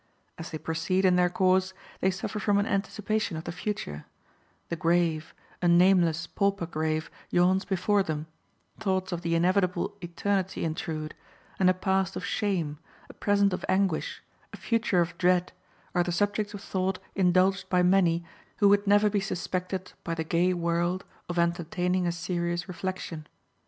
As they proceed in their course they suffer from an anticipation of the future; the grave, a nameless, pauper grave, yawns before them; thoughts of the inevitable eternity intrude; and a past of shame, a present of anguish, a future of dread, are the subjects of thought indulged by many who would never be suspected by the gay world of entertaining a serious reflection.